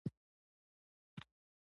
ایا زه باید ماشوم ته هګۍ ورکړم؟